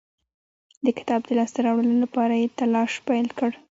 د کتاب د لاسته راوړلو لپاره یې تلاښ پیل کړ.